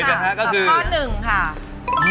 ข้อเนี่ยภาคนึงอ่ะครับ